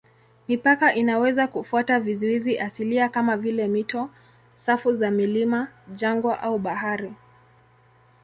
Mipaka inaweza kufuata vizuizi asilia kama vile mito, safu za milima, jangwa au bahari.